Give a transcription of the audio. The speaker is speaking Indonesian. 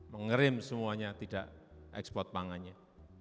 mengerim semuanya tidak ekspor pangannya